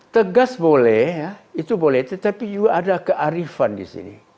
tegas boleh itu boleh tetapi juga ada kearifan di sini